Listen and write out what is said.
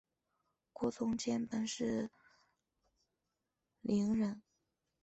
郭从谦本是伶人。